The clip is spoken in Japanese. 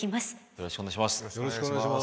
よろしくお願いします。